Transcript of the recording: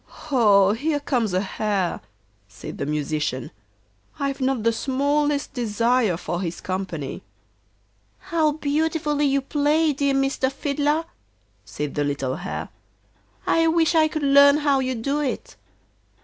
'Oh! here comes a hare,' said the Musician; 'I've not the smallest desire for his company.' 'How beautifully you play, dear Mr. Fiddler,' said the little Hare. 'I wish I could learn how you do it.